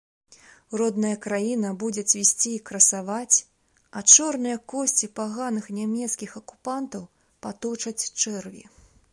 Родная краіна будзе цвісці і красаваць, а чорныя косці паганых нямецкіх акупантаў паточаць чэрві.